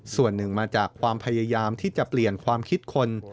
ส่วนหนึ่งมาจากความพยายามที่จะเปลี่ยนความคิดคน